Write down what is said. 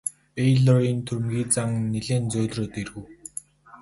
Бэйлорын түрэмгий зан нилээн зөөлрөөд ирэв.